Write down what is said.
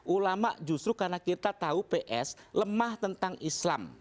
ulama justru karena kita tahu ps lemah tentang islam